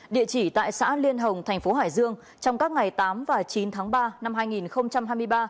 địa chỉ tại xã liên hồng thành phố hải dương trong các ngày tám và chín tháng ba năm hai nghìn hai mươi ba